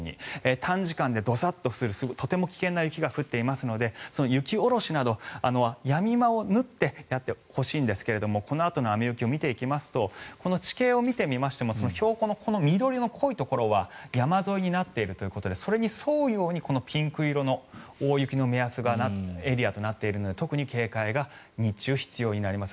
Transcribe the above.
短時間でドサッとするとても危険な雪が降っていますので雪下ろしなどやみ間を縫ってやってほしいんですがこのあとの雨雪を見ていきますと地形を見てみましても標高の緑色の濃いところは山沿いになっているということでそれに沿うようにこのピンク色の大雪の目安のエリアとなっているので特に警戒が日中必要になります。